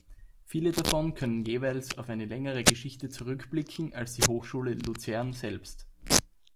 Viele davon können jeweils auf eine längere Geschichte zurückblicken als die Hochschule Luzern selbst.